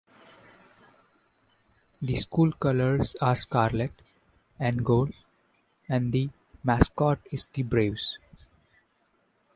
The school colors are scarlet and gold and the mascot is the Braves.